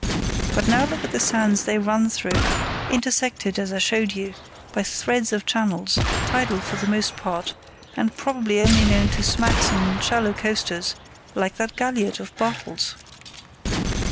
But now look at the sands they run through, intersected, as I showed you, by threads of channels, tidal for the most part, and probably only known to smacks and shallow coasters, like that galliot of Bartels.